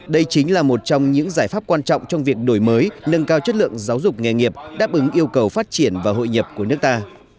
đây chính là một trong những giải pháp quan trọng trong việc đổi mới nâng cao chất lượng giáo dục nghề nghiệp đáp ứng yêu cầu phát triển và hội nhập của nước ta